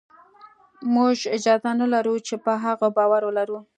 موږ اجازه نه لرو چې په هغه باور ولرو